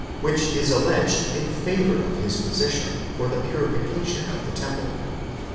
491 which is alleged in favour of his position of the purification of the temple.